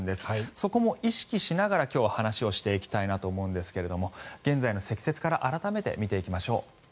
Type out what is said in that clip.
そこも意識しながら今日は話をしていきたいなと思うんですが現在の積雪から改めて見ていきましょう。